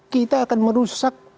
kita akan merusak